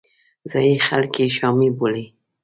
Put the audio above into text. ځایي خلک یې شامي بولي.